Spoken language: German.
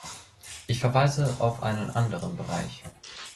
Ich verweise auf einen anderen Bereich.